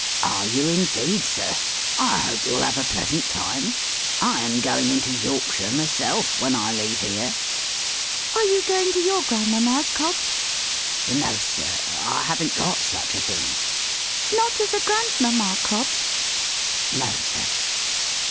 "Are you indeed, sir? I hope you'll have a pleasant time. I am going into Yorkshire, myself, when I leave here." "Are you going to your grandmamma's, Cobbs?" "No, sir. I haven't got such a thing." "Not as a grandmamma, Cobbs?" "No, sir."